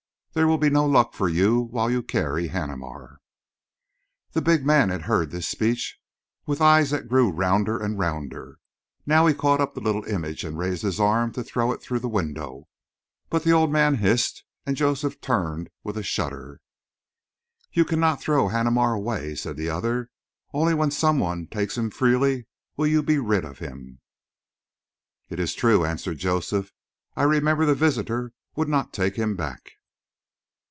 There will be no luck for you while you carry Haneemar." The big man had heard this speech with eyes that grew rounder and rounder. Now he caught up the little image and raised his arm to throw it through the window. But the old man hissed, and Joseph turned with a shudder. "You cannot throw Haneemar away," said the other. "Only when some one takes him freely will you be rid of him." "It is true," answered Joseph. "I remember the visitor would not take him back."